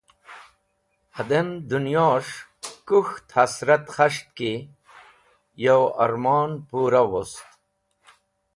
Hẽdẽm dẽnyos̃h kũk̃ht hẽsrat k̃has̃ht ki yo ormon pũra wost.